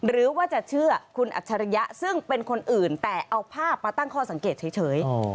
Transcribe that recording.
หรือว่าจะเชื่อคุณอัจฉริยะซึ่งเป็นคนอื่นแต่เอาภาพมาตั้งข้อสังเกตเฉย